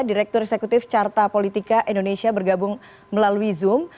direktur eksekutif carta politika indonesia bergabung melalui zoom